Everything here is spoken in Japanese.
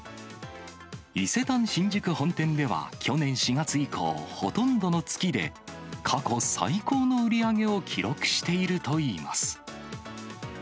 伊勢丹新宿本店では去年４月以降、ほとんどの月で過去最高の売り上げを記録しているといいます。